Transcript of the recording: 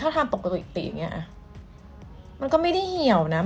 ถ้าทำปกติติอย่างเงี้อ่ะมันก็ไม่ได้เหี่ยวนะ